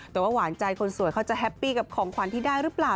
แต่ว่าหวานใจคนสวยเขาจะแฮปปี้กับของขวัญที่ได้หรือเปล่า